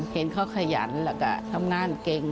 เห็นเขาขยันแล้วก็ทำงานเก่ง